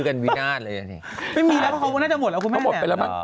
ไม่มีแล้วเค้าก็คงอาจจะหมดแล้วคุณแม่เนี่ย